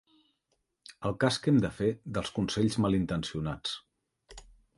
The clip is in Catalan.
El cas que hem de fer dels consells malintencionats.